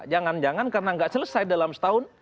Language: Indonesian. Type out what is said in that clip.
jangan jangan karena nggak selesai dalam setahun